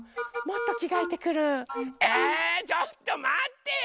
ちょっとまってよ！